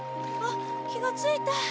あっ気がついた。